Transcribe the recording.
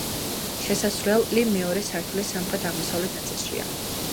შესასვლელი მეორე სართულის სამხრეთ-აღმოსავლეთ ნაწილშია.